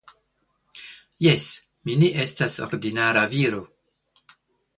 Jes, mi ne estas ordinara viro.